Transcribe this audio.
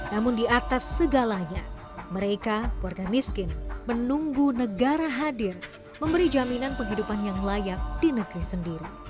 namun di atas segalanya mereka warga miskin menunggu negara hadir memberi jaminan penghidupan yang layak di negeri sendiri